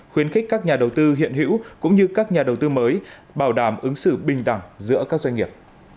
khuyến khích các nhà đầu tư hiện hữu cũng như các nhà đầu tư mới bảo đảm ứng xử bình đẳng giữa các doanh nghiệp